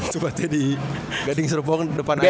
cuma tadi di gading serpong depan aion